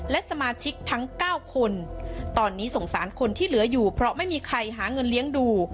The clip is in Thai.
และสมาชิกทั้ง๙คนตอนนี้สงสารคนที่เหลืออยู่เพราะไม่มีใครหาเงินเลี้ยงดู